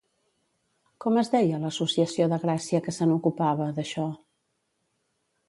Com es deia l'associació de Gràcia que se n'ocupava, d'això?